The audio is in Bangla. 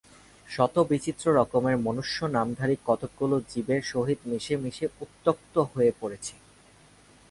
শত বিচিত্র রকমের মনুষ্যনামধারী কতকগুলি জীবের সহিত মিশে মিশে উত্ত্যক্ত হয়ে পড়েছি।